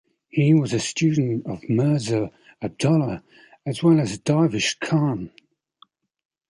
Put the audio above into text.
He was a student of Mirza Abdollah as well as Darvish Khan.